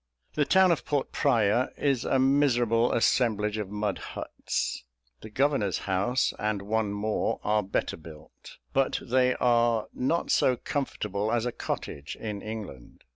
The town of Port Praya is a miserable assemblage of mud huts; the governor's house, and one more, are better built, but they are not so comfortable as a cottage in England.